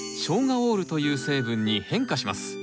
オールという成分に変化します。